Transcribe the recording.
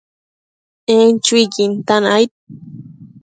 En chuiquin tan aid